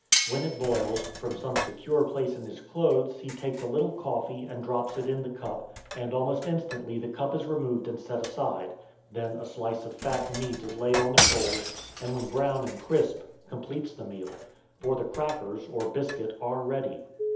When it boils, from some secure place in his clothes he takes a little coffee and drops it in the cup, and almost instantly the cup is removed and set aside; then a slice of fat meat is laid on the coals, and when brown and crisp, completes the meal for the "crackers," or biscuit, are ready.